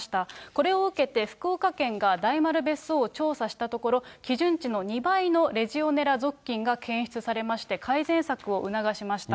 これを受けて、福岡県が大丸別荘を調査したところ、基準値の２倍のレジオネラ属菌が検出されまして、改善策を促しました。